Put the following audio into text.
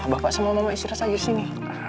bapak sama mama istri saya di sini